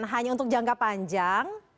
hanya untuk jangka panjang